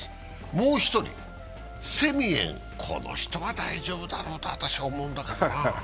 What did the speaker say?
もう一人、セミエン、この人は大丈夫だろうと私は思うんだけど。